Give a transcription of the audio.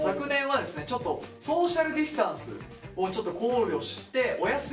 ちょっとソーシャルディスタンスをちょっと考慮してお休み。